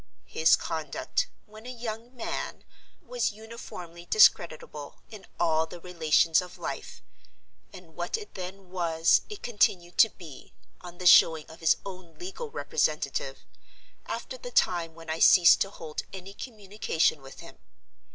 His conduct, when a young man, was uniformly discreditable in all the relations of life; and what it then was it continued to be (on the showing of his own legal representative) after the time when I ceased to hold any communication with him.